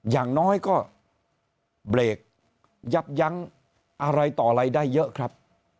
อย่างน้อยก็เบรกยับยั้งอะไรต่ออะไรได้เยอะครับ